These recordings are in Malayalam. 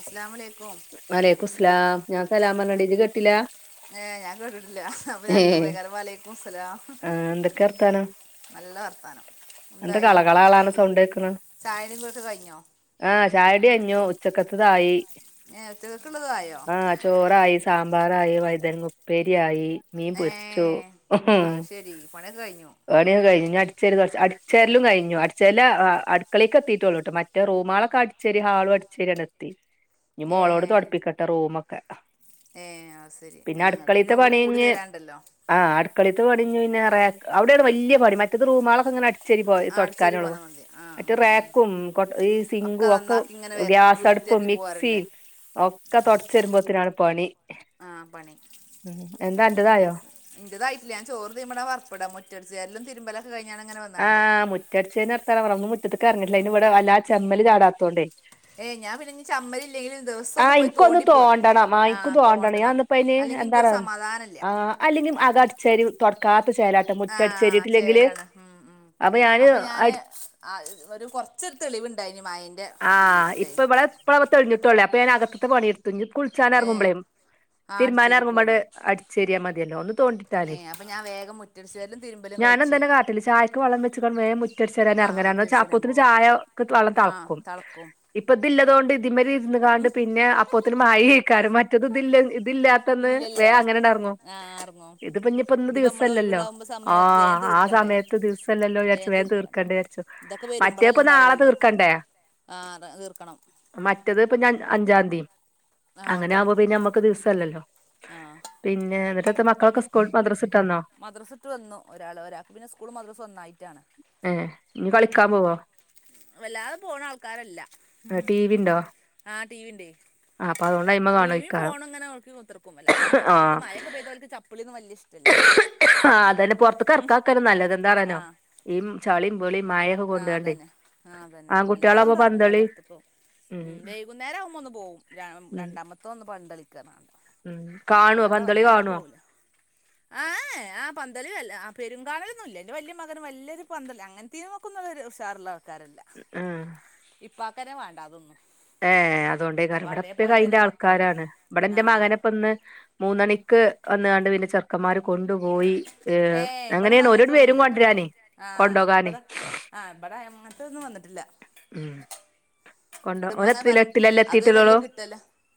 അസലാമലൈക്കും വലൈക്കുസ്ലാം ഞാൻ സലാ പർഞ്ഞെടി ഇജ് കേട്ടില്ല? ഏ ഞാൻ കേട്ടിട്ടില്ല അപ്പ ഏ ഞാനെത്തുമ്പ ളെക്കാര വലൈക്കും സ്ലാം ആ എന്തൊക്കെ വർത്താനം നല്ല വർത്താനം എന്താ എന്തായി കളകളാണ് സൗണ്ട് ചായടീം പോട്ട് കഴിഞ്ഞോ? ആഹ് ചായടി അഞ്ഞു ഉച്ചക്കത്തതായി ഏഹ് ഉച്ചക്കക്കുള്ളതയോ ആഹ് ചോറായി സാമ്പാറായി വൈദനങ്ങ ഉപ്പേരി ആയി മീൻ ഏ പൊരിച്ചു അത് ശരി പണിയൊക്കെ കഴിഞ്ഞു പണി ഒക്കെ കഴിഞ് ഞ് അടിച്ചേരി തൊടച്ച അടിച്ചേരലും കഴിഞ്ഞു അടിച്ചേരല് അടുക്കളേക്ക് എത്തിയിട്ടോളൂ ട്ടോ മറ്റേ റൂമാളക്കെ അടി ചെരി ഹാളും അടിച്ചേരി ആണ്ടെത്തി ഞ്ഞ് ഏ മോളോട് തൊടപ്പിക്കട്ടെ റൂമൊക്കെ ഏ ആശരി ങ്ങക്ക് പിന്നെ ഓള് കൂടി തരാണ്ടല്ലോ ആഹ് അടുക്കളേത്ത് പണിഞ്ഞു ഞ്ഞ പിന്നെ റേ അവിടെണ് വലിയ പണി മറ്റത് റൂമാകളക്കെങ്ങനെ അ ചെരി പോ ആ അടിച്ചേരി തൊടക്കാനുള്ളു പോന്നാൽ മതി ആ മറ്റേ ഉം, ഉം. റാക്കും കൊ ഈ സിങ്കും ഒക്കെ നന്നാക്കി ഇങ്ങനെ വര ഗ്യാസ് അടുപ്പും വൃത്തിയാക്കി പോകാറുണ്ട് മിക്സിം ഒക്കെ തൊടച്ച് വരുമ്പോത്തിനാണ് പണി ആഹ് പണി ഉം എന്താ അന്റതായോ ആസ് ഇന്റെതായിട്ടില്ല ഞൻ ചോറ് തീമടാ വറപ്പട മുറ്റടിച്ചാരലും തിരുമ്പല ത്ത് കഴിഞ്ഞാലങ്ങനെ ആഹ് മുറ്റടിച്ചേര്ണ ർത്താന പറ ഇന്ന് മുറ്റത്ത ഇറങ്ങില്ല അയ്ന് ഇവിടെ വല്ലാ ചെമ്മല് ചാടത്തോണ്ടേ ഏ ഞാൻ പിന്നെ ഇ ചമ്മലില്ലെലും ദിവസം ഒന്ന് ആഹ് പോയി ഇൻക്കൊന്ന് തോണ്ടിപ്പോരും തോണ്ടണം ഇൻക്കും ആഹ് ഞാൻ തോണ്ടണം അല്ലെങ്കി ഇൻക്കൊരു സമാധാനല്ല. അല്ലെങ്കി അക അടിച്ചേരി തൊടക്കാത്ത ചേലാട്ട മുറ്റ ആ അടിച്ചേരിട്ടില്ലെങ്കില്. ചേലാണ് ഉം ഉം അപ്പൊ അപ്പ ഞാന് അടി ഒരു കുറച്ച് തെളിവുണ്ടായിന് മഴ ആഹ് ഇപ്പ ഇവിടെ ഇപ്പള തെളിഞ്ഞിട്ടുള്ളേ അപ്പൊ ഞാന അകത്ത്ത്തെ പണി തു ഏ കുളിച്ചാനെർങ്ങുമ്പളേ ആ അടിച്ചേരി തിരുമ്പാനെറങ്ങുമ്പണ്ട് പോരും അടിച്ചേറിയാൽ മതിയല്ലോ ഒന്ന് തോണ്ടി താലേ ഏ അപ്പൊ ഞാൻ വേഗം മുറ്റടിച്ചേരലും തിരുമ്പലും കഴിച്ച് ഞാനുതന്നെ കാട്ടല് ചായക്ക് വള്ളം വെച്ചക്കണ്ട് വേ മുറ്റ റ്റട്ച്ചരാൻ ആ എറങ്ങാല മുറ്റടിച്ച് അപ്പോത്തിന് ചായ ക്ക് വെള്ളം തെളക്കും. ക്കും ഇപ്പ തില്ലതോണ്ട് ഇതിമ്മല് ര്ന്ന്ങ്ങാണ്ട് പിന്നെ അപ്പോത്തിന് മഴ ക്കാരം മറ്റത് ഇതില്ല ഇതില്ലാത്തന്ന് വേ ഇല്ലല്ലോ അങ്ങനെണ്ടെർങ്ങും ആ ഇറങ്ങും ഇത് പ് പിഞ്ഞിപ്പൊ ന്ന് ഇതിപ്പോ നമ്മൾ ദിവസല്ലല്ലോ ഒഴിവുള്ളാവുമ്പോ സമയം വേഗം ആഹ് ആഹ് തീർക്കണ്ടേ സമയത്ത് ദിവസല്ലല്ലോ ചാര്ച്ച് വേഗം വേം തീർക്ക. തീർക്കണ്ടേ നിക്ക വിരിച്ചു ഇതൊക്കെ മറ്റേപ്പൊ നാളെ തീർക്കണ്ടേ ആ അത് തീർക്കണം.. മറ്റത് ഇപ്പൊ അഞ്ചാതി ആ അഞ്ചതി ക്കെ ദിവസല്ലല്ലൊ ആ പിന്നെ എന്നിട്ടൻത മക്കളൊക്കെ സ്കൂൾ മദ്രസ് വിട്ടന്നൊ മദ്രസട്ടു വന്നു ഒരാൾ ഒരാൾക്ക് പിന്നെ സ്കൂള് മദ്രാസ ഒന്നായിട്ടാണ്.. ഏ ഇനി കളിക്കാൻ പോവോ വല്ലാതെ പോണ ആൾക്കാരല്ല ഉം ടി വി ഇണ്ടോ ആ ടിവിന്റെ ആഹ് അപ്പൊ അതോണ്ട് അയ്മെ ടി വി കാണുവായിക്കാരം ഫോണും ഇങ്ങനെ നൊക്കി കുത്തിർക്കും വല്ലാതെ പൊറത്തക്ക് മഴൊക്കെ പെയ്താൽ ചപ്പിളിന്നും വല്യ ഇഷ് ആ അതന്നെ പൊറത്ത്ക്ക റക്കാതാക്ക നല്ലത് എന്താറ്ഞ്ഞർനൊ ഈ ചളി ആ അതന്നെ ആ് അതന്നെ അല്ല ആൺകുട്ടികളാവുമ്പോ വല്ലാതെങ്ങട്ട് എറങ്ങൂല പന്തളി പൊറത്ത്ക്ക് ഉം വൈകുന്നേരം ആമ്പോ ഒന്ന് പോവും ഉം രണ്ടാമത്തെ ഒന്ന് പൻത് കളിക്ക ഉം കാണൊ പന്തളി കാണൊ.. ഏ ആ പന്തലും അല്ല ആ പെുരും കാണലൊന്നും ഇല്ല ഇൻ്റെ വലിയ മകന് വല്ലൊരു പന്തൽ അങ്ങനത്തെയ മെക്കുന്നുള്ളൊരു ഉഷാറുള്ള ആൾക്കാരല്ല ഉം ഇപ്പക്കനെ വേണ്ടാതൊന്നന്ന്.. ഏ അതുകൊണ്ടേക്കരം ഇവിടെപ്പ കയിന്റെ മക്കളും ആൾക്കാരാണ് ഇവിടെ എൻറെ ആഹ് മകനെപ്പൊന്ന്.. മൂന്നണിക്ക് വന്നതാണ്ട് പിന്നെ ചെറുക്കന്മാര് കൊണ്ടുപോയി.. ഏ ഇവിടെന്ന് അങ്ങനെയാണ് ഓല് അങ്ങനത്തെ വരും ഒന്നുമില്ലട്ടോ കൊണ്ടരാനേ കൊണ്ടൊകാന് ആ് ഇവിടെ അങ്ങനത്തൊന്നും വന്നിട്ടില്ല ഉം കൊണ്ടോ ബടെ ഓന് ഇമ്മങ്ങനെ എത്രയിലാ പറയും എട്ടിലല്ലേ അതൊരു വലിയ എത്തിയിട്ടുള്ളൂ കിട്ടല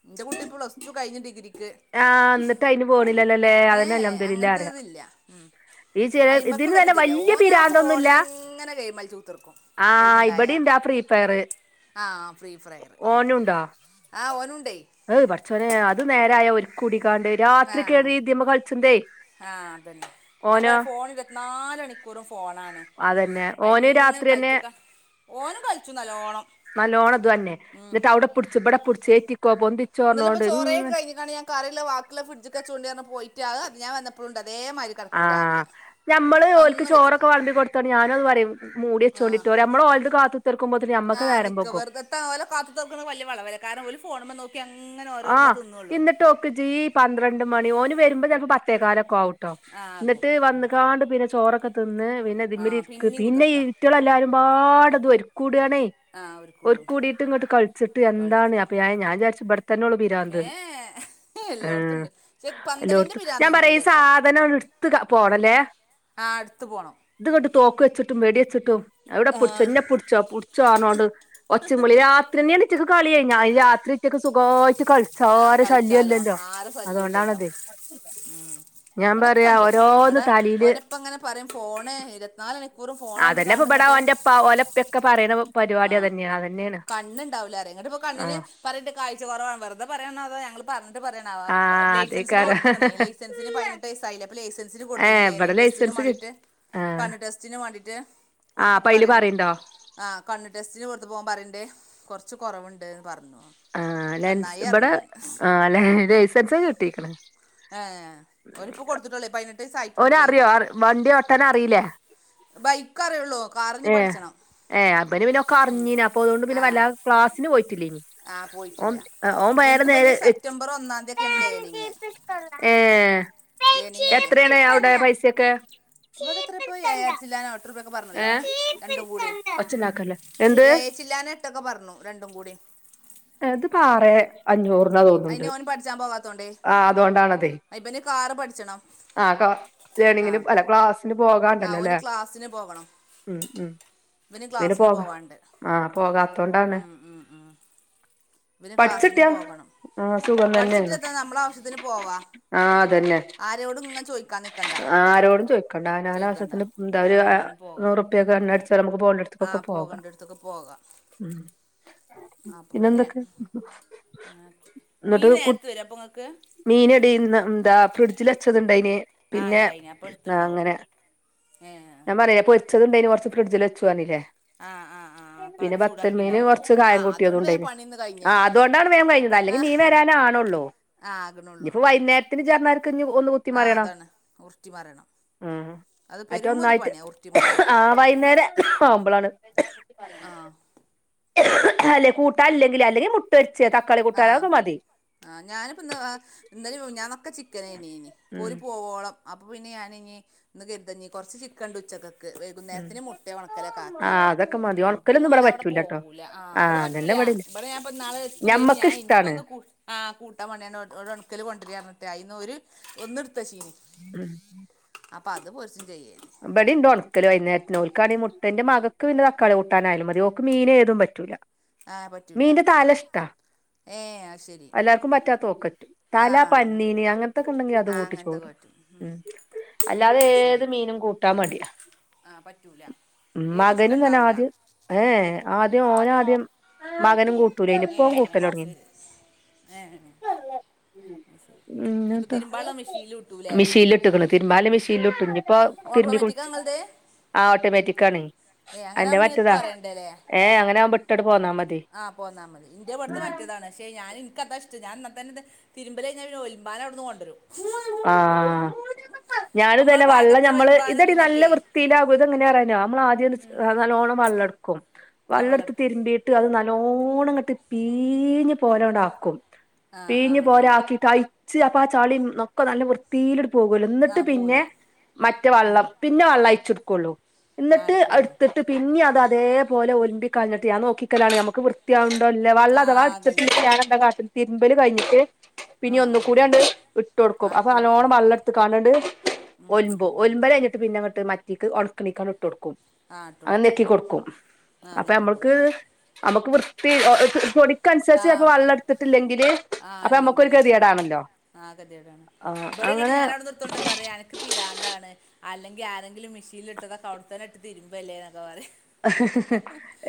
ഇന്റെ കുട്ടി പ്ലസ് ടു കഴിഞ്ഞു ഡിഗ്രിക്ക് ആ ന്നട്ട് അയിന് പോണില്ലല്ലേ ഏ അതെന്നെ അൽഹമ്ദുലില്ല അങ്ങനത്തെ പറയ ഇതില്ല ഉം ഈ ചെല ഇതിന് തന്നെ അയിമക്കുള്ളൊരിതില്ല വല്യയ ഓൻ ആ പിരാന്തൊന്നുല്ല ഫോണിൽ ഇങ്ങനെ ഗെയിം കളിച്ച് കുത്തിർക്കും ആ ഇബടിണ്ട് എന്താ.. ഫ്രീ ഫയർ ആ ഫ്രീ ഫ്രയറ് ആ ഓനുണ്ടേ ഏഹ് പടച്ചോനെ അത് നേരായ ഓര്കൂടിക്കാണ്ട് രാത്രി കേറി ഇതിമ്മേ കള്ച്ചിന്തേ. ആ അതെ ഞാൻ പറയാ ഫോണ് ഇര് നാല് മണിക്കൂറും ഫോണാണ് അതന്നെ ഓന് ഐമല് ഇങ്ങനെ രാത്രി തന്നെ കളിച്ചക്ക ഓനും കളിച്ചുന്നല്ലോണം നല്ലോണംത് തന്നെ എന്നിട്ട് അവിടെ പിടിച്ച് ഇവിടെ പിടിച്ച് ഏറ്റിക്കോ പൊ ഇന്ന് പ്പോ ചോറയൊക്കെ കഴഞ്ഞ്ങ്ങാട് ഞാൻ കറിള്ള വാക്കില്ല ഫ്രിഡ്ജ്ക്ക് വെച്യൊണ്ടി വന്ന് പോയിട്ട് അത് ഞാൻ വന്നപ്പോളുണ്ട് അതെ മാതിരി തക്ക്ണ് രാവിലെ മ്മള് ഓലക്ക് ചോറൊക്കെ വെച്ചിട്ടില്ല വളമ്പി കൊടുത്താണ്ട് ഞാനും അത് പറയും മൂടി ആഹ് വെച്ചോണ്ടിട്ട് നമ്മള് ഓല്ത് കാത്ത തീർക്കുമ്പോത്തിന് ആഹ് നിക്ക വെറുതെത്ത പോല കാത്ത് നിൽക്കുണ് വല്യയ വളവല കാരന് മുന്നില് ഒരു ഫോണുമോ നോക്കിയങ്ങനെ ആഹ് എന്നിട്ട്ഒക്ക് ജീ പന്ത്രണ്ട് മണി ഓന് വരുമ്പോ ചിലപ്പോ പത്തേക്കാലൊക്കെ ആവും ട്ടോ ആഹ് ആകും ന്നട്ട് വന്നികാണ്ട് പിന്നെ ചോറൊക്കെ തിന്ന് പിന്നെ ഇതിമൽ ആഹ് ഇരിക്ക് പിന്നെയും പിന്നെ കുത്തിർക്ക ഈ കുട്ടികളെല്ലാരുംപാടെ ഒര്കൂടാണെ ആഹ് ഒരുക്കൂടും ഒര്കൂടിട്ടങ്ങട്ട് കളിച്ചിട്ട് എന്താണ് കളിച്ചു അ പ്പയായ ഞാൻ വിചരിച്ച ഇപട്ത്തന്ന ഉള്ളൂ പിരാന്ത് ഏഹ് ആ എല്ലായിടത്തും ഉണ്ട് പക്ഷെ പന്തലിന്റെ എല്ലൊടുത്തും ഞാൻ പറയാ ഈ പിരാന്തൊന്നുമില്ല കേട്ടോ സാധനം ഒന്ന് എടുത്ത് ക പോണല്ലേ ആഹ് അട്ത്ത് പോണം ഇതുങ്ങട്ട് തോക്ക് വെച്ചിട്ടും വെടി വെച്ചിട്ടും അവിടെ പുടിച്ചോ ന്നെ പുടിച്ചോ പുടിച്ചോ പറഞ്ഞോണ്ട് ഒച്ചയും വിളിയും രാ ത്രന്നെ എണിറ്റക്ക് കളി കഴിഞ്ഞാ രാത്രിറ്റക്ക് സുഖായിട്ട് കഴി ആഹ് കൾച്ചാലോ ആര ശല്യൂല്ലല്ലോ അതോണ്ടാണത് ഉം ഞാൻ പറയാ ഇവിടെക്കൊണ്ട് ഓരോന്ന് ഇവിടെ തലയില് ഓന്റപ്പ ഇങ്ങനെ പറയും ഫോണ് ഇരുപത്ത്നാല് മണിക്കൂറും ഫോണ് കണ്ട്ങ്ങാണ്ട് ഇങ്ങട്ട് പ്പ ഓലപ്പക്ക പറിണ ആഹ് കണ്ണുണ്ടാവുലറയ ഇങ്ങട്ട് ഇപ്പോ ആ കണ്ണിന് പറഞ്ഞിട്ട് കാഴ്ച കൊറവാണ്. വെറുതെ പറയണ അതൊ ഞങ്ങള് പറഞ്ഞിട്ട് പറയണതൊ ആ ലൈസൻസിന് അതേക്കാരം കൊടുത്തിക്ണെ ലൈസൻ ജിന് പയിനെട്ട് വയസ്സായില്ലേ അപ്പ ലൈസൻ സിന് ഏ കൊടുത്തിട്ട് ഇവിടെ ലേണിങ് ടെസ്റ്റിന് ലൈസൻസ് കി മാണ്ടിട്ട് കണ്ണ് ടെസ്റ്റിന് മാണ്ടിട്ട് ആഹ് അപ്പയില് പറിണ്ടോ ആ കണ്ണ് ടെസ്റ്റിന് കൊടുത്തപ്പോ ഓൻ പറയ്ണ്ട് കൊറച്ച് കൊറവുണ്ട്ന്ന് പറഞ്ഞു. ആഹ് ലെൻസ് നന്നായി പറഞ്ഞു ഇപടെ ഞാൻ ആഹ് ലൈസൻസ് കിട്ടിക്കണ് ഏ ഒനിപ്പ കൊടുത്തിട്ടുളേള പതിനെട്ട് വയസ്സ് ആയിട്ടുള്ളൂ ഓന് ഇപ്പളേ അറിയോ? വണ്ടി ഓട്ടാനറിയില്ലേ ബൈക്ക് അറിയൊള്ളു. കാർ ഇഞ് പഠിച്ചണം. ഏ അബനി പിന്നെ ഒക്ക അറിഞ്ഞീന അപ്പൊ അതുകൊണ്ട് പിന്നെ വല്ല ക്ലാസിന് പോയിട്ടില്ലേനി ആഹ് ഓൻ പോയിട്ടില്ല ആ, ഓൻ വേറെ നേരെ ഇവൻക്ക്‌പ്പനീ എത്തി സെപ്റ്റംബർ ഒന്നാം തീയ ഒക്കെയാണ് ലേണിങ് ഏ ലേണിങ് തന്നെ എത്രയാണ് അവിടെ പൈസൊക്കെ ഇവിടെ ഇത്ര പോയി എഴര്ത്തിചില്ലാനം എത്ര രൂപൊക്കെ പറഞ്ഞല്ലോ ഏ രണ്ടും കൂടി ഒച്ചണ്ടാക്കല്ലേ എന്ത് എയേച്ചില്ലനം റ്റൊക്കെ പറഞ്ഞു രണ്ടും കൂടി അത് പാറേ അഞ്ഞൂറിന തോന്നുണ്ട് അതിന് ഓൻ പഠിച്ചാൻ പോകാത്തോണ്ടേ ആഹ് അതുകൊണ്ടാണതെ ആ, ഇവന് കാറ് പഠിച്ചണം ആ ക ആ ലേണിങ്ങിന് അല്ല ക്ലാസിന് ആ ഓന് പോകാണ്ടല്ലല്ലേ ക്ലാസ്സിന് പോകണം മ് മ്. ഇവന് പിന്ന ക്ലാസ്സിന് പോക പോവാണ്ട് ആഹ് പോകാത്തോണ്ടാണ്. വര് ക്ലാസ്സിന് പഠിച്ചിട്ടിയാ പോവണം, ആ സുഖം പഠിച്ചിട്ടേത്താ നമ്മള ആവശ്യത്തിന് പോവാ. ആഹ് അതന്നെ ആരോടും ഇങ്ങനെ ചോദിക്കാൻ നിൽക്കണ്ട ആരോടും ചോയിക്കണ്ട അവനവ ചോദിക്കണ്ട ആവശ്യത്തിന് ന്താലും ആ ഒരു അങ്ങനെ പോകാം നൂറുപ്യക്ക് എണ്ണ അടിച്ചാൽ നമുക്ക് ആ പോകണ്ടിയോടത്ക്ക് പോകാം പോകേണ്ട അടുത്തൊക്കെ പോകാം മം പിന്നെ എന്തൊക്കെ? ആഹ് മീൻ നേരത്ത് വരാ അപ്പൊങ്ങക്ക് മീനെടീ ന്ന് എന്താ ഫ്രിഡിജില് വെച്ചതുണ്ടയിന് ആ പിന്നെ ന്ന അങ്ങനെ ആഹ് വച്ചതുണ്ടായിന് കൊറച്ച് ഫ്രിഡ്ജിൽ വെച്ചൂ പറഞ്ഞില്ലേ. ആ ആ ആ അപ്പം പിന്നെ അത് വത്തൽമീന് ചൂടാക്കിണ്ടാവും കൊറച്ച് ആ കായം കൂട്ടിയതും അതുകൊണ്ട് വേഗം ഉണ്ടായിന്. പണിന്ന് കഴിഞ്ഞ് ആഹ് അതെണ്ടാണ് വേഗം കഴിഞ്ഞത് ആ അല്ലെങ്കിൽ മീൻ വരാനാണുള്ളൂ ആ, ആകണുള്ളൂ ഇനിയിപ്പോ വൈകുന്നേര ഇത് ഇജ്ജ് ർഞായിര്ക്ക് ഇഞ്ഞ് ഒ ആ അതാണ് ഉർട്ടി മറിയണം ഉം അത് പെരും ഒര് മറ്റൊന്നായിട്ട് പണിയ ഉരുട്ടിമാറല്. ആ വൈകുന്നേരം ആവുമ്പോളാണ് ആഹ് അല്ലെ കൂട്ട ഇല്ലെങ്കില് അല്ലെങ്കിൽ മുട്ടുപൊരിച്ച് തക്കാളി ആ കൂട്ടാനൊക്കെ മതി ആ ഞാനിപ്പോം ഇന്ന് ഇന്നലിം മിഞ്ഞനൊക്കെ ചിക്കനയിനിനി പോര് ഉം പോവോളം അപ്പൊ പിന്നെ ഞാനി ഇഞ് ഇന്ന് കെര്താ കൊറച്ച് ചിക്കണ്ട് ഉച്ചക്കെ ഉം വൈകുന്നേരത്തിന് മുട്ടെ ഉണക്കലെക്ക ആ ആക്കിയത് അതൊക്കെ മതി ഒണക്കല് ഉണക്കലൊന്നും നല്ല ഇവിടെ അവടെ പറ്റൂലട്ടോ പോവൂല. ആ ഇവിടെ പറ്റൂല ഇവിടെ ഞാൻ ഇപ്പ ഇന്നാള് എത്തുല്ലായിട്ട് ഞമ്മക്ക് ഇഷ്ടാണ് ഇൻക്കൊന്ന് കൂ ആ കൂട്ടാ പണിയാണ് ഒരു ഒണക്കൽ കൊണ്ടരിർഞ്ഞിട്ട് അതിന്ന് ഒന്ന് ഇട്ത്തചീനി ഉം അപ്പൊ അത് പോര്ച്ചു ചെയ്യേ ബടിണ്ട് ഉണക്കല് വൈന്നേരത്ത്ൻ ഓൽക്കാണെിൽ മുട്ടൻന്റെ മകക്ക് പിന്നെ തക്കാളി കൂട്ടാനായാലും മതി ഓൾക്ക് മീന് ഏതും പറ്റൂല ആ പറ്റൂല മീന്റെ തല ഇഷ്ടാ ഏ അത് ശരി എല്ലാർക്കും പറ്റാത്ത ഓൾക്കറ്റും ആ തല അത് പന്നീന് അങ്ങനത്തൊക്കെ ഉണ്ടെങ്കി അത് ആ അങ്ങനത്തെ കൂട്ടിച്ചോടും പറ്റും ഉം. ഉ അല്ലാതെ അത് ഏത് ശരി മീനും കൂട്ടാ മടിയ ആ പറ്റൂല ഏതും ഇഷ്ടം മകനും തന്നെ ഉണ്ടാവൂല ആദ്യം ഏ ആദ്യം ഓന ആദ്യം മകനും കൂട്ടൂലേനി ഏ ഇപ്പൊ ആ കൂട്ടലോടങ്ങി ശരി ഇഞ്ഞിപ്പൊ തിരുമ്പാള മെഷീലുട്ട് ലേ ട്ട് ക്ക് ണ് തിരുബാല്ലത് മെഷീൻലുട്ട്ക്ക്ണ് ഇഞ്ഞ്പ്പൊ ഓട്ടോമാറ്റിക്കാ ഇങ്ങള്ത് ആ ഓട്ടോമാറ്റിക്ക് ആണ എന്റെ ആകുമ്പോ ഇനി മറ്റേതാ എത്തും അറിയണ്ടല്ലേ ഏഹ് അങ്ങനെ ആവുമ്പോ ഇട്ട് അങ്ങട്ട് പോന്നാ മതി പോന്നാമതി ഇന്റെ ഇവ്ട്ത്തെ മറ്റതാണ് ക്ഷെ ഞാ ഇനിക്കതാ ഇഷ്ടം ഞാൻ എന്നന്നെത് തിരുമ്പല് കയിഞ്ഞ പിന്നെ ഒലുമ്പാന് അവിട്ന്ന് കൊണ്ടുവരും ആഹ് ഞാനും നമ്മളെ തന്നെ വെള്ളം പാകത്തി ഞമ്മള് ഇതെടി നല്ല വൃത്തിയിലാകും ഇതങ്ങനെ അറിയോ നമ്മൾ ആദ്യം നല്ലോണം വെള്ളം ഇട്ക്കും ക്കും ആ വെള്ളം വെള്ളെടുത്ത് എടുക്കും തിരുമ്പിയിട്ട് അത് നല്ലോണ്ണം ഇങ്ങട്ട് പീഞ്ഞ് പോലണ്ട് ആക്കും ആ ആ പീഞ്ഞ് ആ പോലെ ആക്കി കയ്ച്ച് അപ്പ ആ ചളി ഒക്കെ നല്ല വൃ വൃത്തില് ഇങ്ങട്ട് പോകുല്ലോ ആ എന്നിട്ട് പിന്നെ പോരും മറ്റേ വെള്ളം പിന്നെ വെള്ളം അയച്ചെടുക്കുള്ളൂ ആ എന്നിട്ട് എടുക്കുള്ളൂ എടുത്തിട്ട് പിന്നെ അത് അതേപോലെ ഒലിമ്പിക്ക കഴിഞ്ഞിട്ട് ഞാൻ നോക്കിക്കലാണ് ഞമ്മക്ക് വൃ ത്തി ആവണ്ടോ അല്ലേ വെള്ള ആ അഥവാ ആകണ്ടേ ഇട്ത്ത്ണ്ടെ ഞാൻ ന്താ കാട്ടൽ തിരുമ്പല് കഴഞ്ഞിട്ട് ആ പിന്ന ആ ഒന്നും കൂടി ആ അണ്ട് ഇട്ട് കൊടുക്കും ആ അപ്പൊ ഇട്ട് കൊടുക്കും നല്ലോണം വെള്ള എടുത്തക്കണ്ടണ്ട് ഒല്മ്പും ഒല്മ്പല് കഴിഞ്ഞട്ട് പിന്നെ അങ്ങട്ട് മറ്റിക്ക് ഉണ്ക്കണിക്കാണ്ട്ട്ട്ടുക്കും ആ ഇട്ട് അത് ഞെക്കി കൊടുക്കും ആ അപ്പൊ നെക്കി നമ്മക്ക് കൊടുക്കും നമ്മക്ക് വൃത്തി പൊടി ക്ക ആ അനുസരിച്ച് അപ്പൊ വെള്ളം ഇത്തിട്ടില്ലെങ്കില് അപ്പൊ നമ്മുക്കൊ ഒരു ഗെതികേടാണല്ലോ ആ ഗതികേടണ് ഇവിടെയും ങ്ങട്ട് ഞാൻ അവിടെന്ന് ഇട്ത്ത് കൊണ്ടരുമ്പോ പറയാ അനക്ക് പിരാന്താണ് അല്ലെങ്കിൽ ആരെങ്കിലും മെഷീനിൽ ഇട്ടത് ഒക്കെ അവിടത്തന്നെ ഇട്ട് തിരുമ്പല്ലേ ന്നൊക്കെ പറയും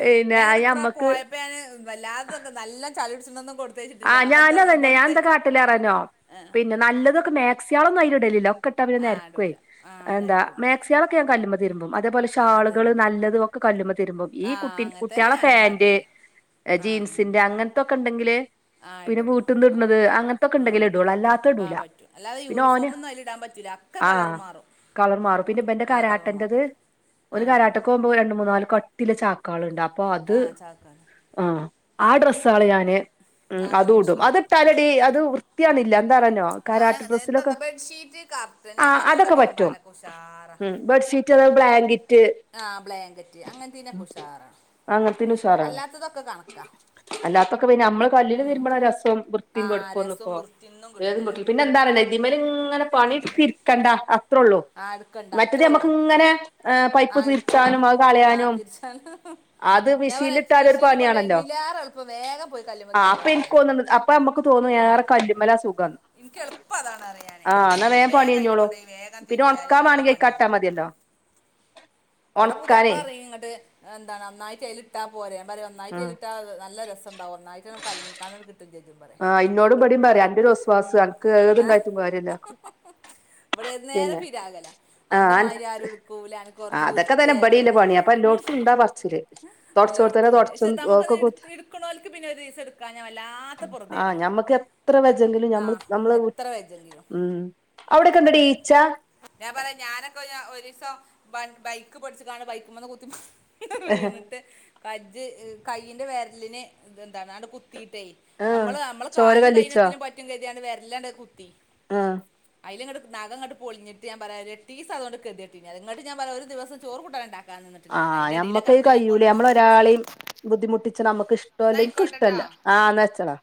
പിന്നെ ഞങ്ങടെ അയി ഇ അമ്മക്ക് പോയപ്പോ ഞാന് വല്ലാതൊക്കെ നല്ല ചളി പിടിച്ന ഒന്നും കൊടുത്ത ആഹ് ഞാനും അതെന്നെ ഞാൻ എന്താ കാട്ടല് അറേനോ പിന്നെ നല്ലതൊക്കെ മാക്സ്യളൊന്നും അയില് ഇടലില്ല ക്കെ ഇട്ടാ പിന്നെ ആഹ് നരക്കുവെ ഇടൂല ആഹ് എന്താ നെരക്കും സികളൊക്കെ ഞാൻ കല്ലുമ്മെ തിരുമ്പും അതേപോലെ ആഹ് ഷാള്കള് തിരുമ്പും നല്ലതൊക്കെ കല്ല്മ്മെ തിരുമ്പും ഈ ആഹ് കുട്ടി അങ്ങനെ തന്നെ കുട്ട്യാളെ ഞാനും ഫാന്റ് കാട്ടല് ആഹ് ആഹ് ജീൻസിന്റെ അങ്ങനത്തൊക്കെ ഇണ്ടെങ്കില് ആഹ് പിന്നെ ഇടും വീട്ട്ന്ന് ഇട്ണത് അങ്ങനത്തൊക്കെ ആഹ് ഇണ്ടെങ്കില ഇടൊള്ളൂ അല്ലാത്ത ആഹ് ഇടൂല പിന്നെ ഓന് ക്കെ ആ കളറ് മാറും കളർ മാറും പിന്നെ ഇബന്റെ ആഹ് കളറ് മാറും കരാട്ടേന്റത് ഓൻ ആഹ് ഉം കരാട്ടക്ക് പോമ്പോ രണ്ട് മൂന്നാല് ക ട്ടി ള്ള ചാക്കൾണ്ട് അപ്പൊ അത് ആഹ് ചാക്കാണ് ആ ആ ഡ്രെസ്സള് ഞാന് ഉം ഞാൻ അങ്ങനെ അതും ഇടും മെഷീനിലിടും അത്ട്ടാലെടി അത് വൃത്തി വൃയാണല്ല എന്താ അറേനോ ഞാൻ കാരാട്ട അങ്ങനെ ഡ്രെസ്സിലൊക്കെ എന്താ ബെഡ്ഷീറ്റ് കർട്ടന് ആ് അങ്ങനത്തൊക്കെ അതൊക്കെ പറ്റും തിരുമ്പാനൊക്കെ ഉഷാറാ ഉ ബെഡ്ഷീറ്റ് അതെ ബ്ലാങ്കറ്റ് ആഹ ബ്ലാങ്കറ്റ് അങ്ങനത്തിനൊക്കെ ഉഷാറാണ് അങ്ങനത്തിന് ഉഷാറാണ് അല്ലാത്തതൊക്കെ കണക്കാ അല്ലാത്തൊക്കെ പിന്നെ നമ്മള് ക ല്ലരുമ്പണ രസവും വൃത്തിം ആഹ് വെടുപ്പൊന്നും രസവും ഇപ്പോ വൃത്തിയൊന്നും ഏ കിട്ടണില്ല പിന്നെ എന്താണ് ഇതിമലിങ്ങനെ പണി അതന്നെ ഇട്ത് കണ്ടാ അത്രേ ഉള്ളൂ ആഹ് എടുക്കണ്ട മറ്റത് അത്രേ ഉള്ളൂ നമ്മക്ക് ഇങ്ങനെ ഏ പൈപ്പ് ആഹ് എടുക്കണം തിരിച്ചാനും അത് ആഹ് കളയാനും തിരിച്ചാണ് അത് ഞാൻ പറയാ ഇച്ച് മിഷീൽട്ടാലൊരു മെഷീനിൽ കൊണ്ടോയി പണിയാണല്ലോ ഇടുന്നതിലേറെ എളുപ്പം വേഗം പോയി കല്ലുമ്മേ ആ അപ്പൊ തിരുമ്പാണ് എനിക്ക് പറയും തോന്നണ്ട് അപ്പൊ നമ്മുക്ക് തോന്നും ആഹ് ഏറെ കല്ലിമല സുഖന്ന് എനിക്ക് എളുപ്പം അതാണ് അറിയാന് ആഹ് എന്നാ വേം പണി വേഗം അതിൽ കഴിഞ്ഞോളൂ കൊണ്ടുപോയി വേഗം പിന്നെ തിരുമ്പിയാൽ ഉണക്കാൻ വേഗം വേണമെങ്കിൽ അയ്ക്ക് പണി കട്ടാ കഴിയും മതിയല്ലോ ഇവിടെ ഉണക്കാനേ പുത്യാപ്പള പറയു ഇറങ്ങട്ട് എന്താണ് നന്നായിട്ട് അതിയിൽ ഇട്ടാ പോരെ ഞാൻ പറയും ഒന്നായിട്ട് ഉം അയിൽ ഇട്ട നല്ല രസംണ്ടാവും ഒന്നായിട്ട് അങ്ങട്ട് കലങ്ങിങ്ങാണ്ട് കിട്ടും ചെയ്യും പറയും ആ് ഇന്നോടും ഇവിടേം പററയും അന്റെ ഒരു ഒസ്വാസ് ഉം. അനക്ക് ആ? ഏതുണ്ടായിട്ടും കാര്യമല്ല ഇവിടെ ഏത് നേരം പിരാകലാ. ആ അന്റെമാരി ആരും എടുക്കൂല അനക് കൊറച്ച് അതൊക്കെ വൃത്തി തന്നെ ഇബടില്ല ഏറെണ്. പണി അപ്പൊ എല്ലോടത്തും ഉണ്ടാ പറച്ചില് തുടച്ചോടത്തന്നെ എല്ലോടത്തുംണ്ട് പക്ഷെ തുടച്ചും നമുക്കത് എടു എടുക്കുന്നോല്ക്ക് പിന്നെ ഒരീസം ആഹ് ഞമ്മക്ക് എത്ര വച്ചെങ്കിലും ആ മ്മൾ നമ്മള് എത്ര വെജെങ്കിലും ഉം അവിടെക്കെ ഇണ്ടെടി അതന്നെ ഈച്ച ഞാൻ പറയാ ഞാനൊക്കെ ഒരു ദിവസം ബൈക്ക് പഠിച്ചു കാണ്ട് ബൈക്ക്മെന്ന് കുത്തി ഇ വീണിട്ട് കജ്ജ് കൈയിന്റെ വിരലിന് ഇ എന്താണ് അടങ്ങട്ട് കുത്തീട്ടേ ആഹ് നമ്മള് നമ്മള് ചോര കാലിനും കല്ലിച്ചോ കൈയിത്തിലും പറ്റും കരുതിയണ്ട് വരലാണ്ട് കുത്തി ആഹ അയലങ്ങട്ട് നഗംങ്ങട്ട് പൊളിഞ്ഞ്ട്ട് ഞാൻ പറയാ ഒരു ഏട്ടീസം അതോണ്ട് ഗതി കെട്ടിന്. ഇങ്ങട്ട് ഞാൻ പറയാ ഒരു ദിവസം ചോറും കൂട്ടാനും ഉണ്ടാക്കാൻന്നിട്ടില്ലാറയ. ആഹ് അതിന്റെ ഇടയിലൊക്കെ ഞമ്മക്കത് എപ്പളെലും കയ്യൂലേ കൊണ്ടന്ന് ഒപ്പിച്ചും നമ്മളൊരാളെയും ബുദ്ധിമുട്ടിച്ച് നമുക്ക് ഇഷ്ടമല്ല ഇനിക്ക ട്ടോ ഇഷ്ടല്ല ആാ എന്ന വെച്ചളാ